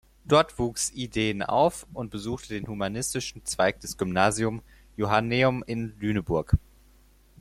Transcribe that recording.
Dort wuchs Iden auf und besuchte den humanistischen Zweig des Gymnasiums Johanneum in Lüneburg.